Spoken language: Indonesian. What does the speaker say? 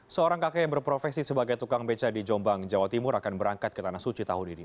seorang kakek yang berprofesi sebagai tukang beca di jombang jawa timur akan berangkat ke tanah suci tahun ini